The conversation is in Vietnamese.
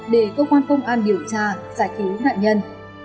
để cơ quan công an điều tra giải cứu nạn nhân